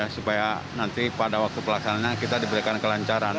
supaya nanti pada waktu pelaksanaannya kita diberikan kemudian